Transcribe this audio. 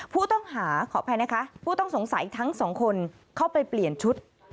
ขออภัยนะคะผู้ต้องสงสัยทั้งสองคนเข้าไปเปลี่ยนชุด